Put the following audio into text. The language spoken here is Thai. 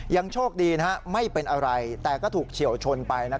โชคดีไม่เป็นอะไรแต่ก็ถูกเฉียวชนไป